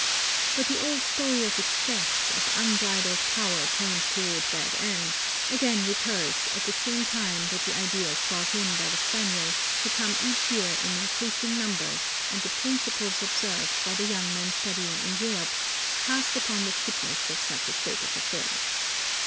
But the old story of excess, of unbridled power turned toward bad ends, again recurs, at the same time that the ideas brought in by the Spaniards who came each year in increasing numbers and the principles observed by the young men studying in Europe cast doubt upon the fitness of such a state of affairs.